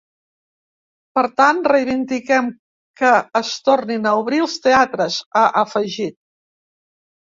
Per tant, reivindiquem que es tornin a obrir els teatres, ha afegit.